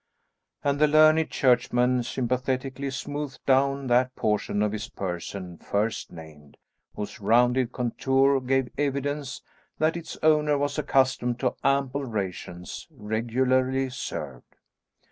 And the learned churchman sympathetically smoothed down that portion of his person first named, whose rounded contour gave evidence that its owner was accustomed to ample rations regularly served.